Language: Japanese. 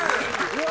うわ！